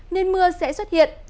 nên mưa sẽ xuất hiện